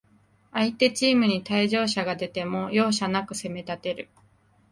相手チームに退場者が出ても、容赦なく攻めたてる